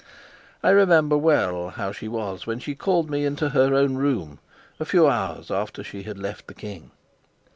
I remember well how she was when she called me into her own room, a few hours after she had left the king.